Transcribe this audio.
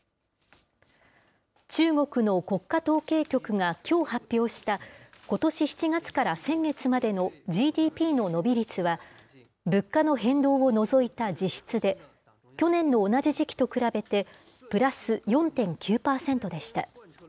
中国の国家統計局がきょう発表した、ことし７月から先月までのＧＤＰの伸び率は、物価の変動を除いた実質で、去年の同じ時期と比べてプラス４．９％でした。